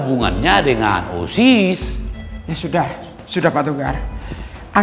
yang menghy bitches berkata kata